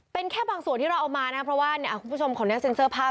เป็นแค่บางส่วนที่เราเอามานะเพราะว่าคุณผู้ชมขออนุญาตเซ็นเซอร์ภาพ